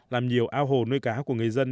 làm nhiều ao hồ nuôi cá của người dân